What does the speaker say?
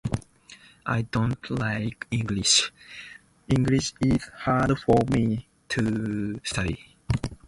Bute has many sports clubs and activities available.